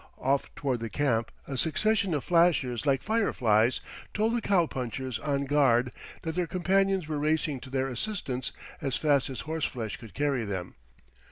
Off toward the camp a succession of flashes like fireflies told the cowpunchers on guard that their companions were racing to their assistance as fast as horseflesh could carry them.